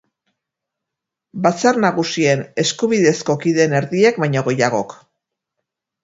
Batzar Nagusien eskubidezko kideen erdiek baino gehiagok.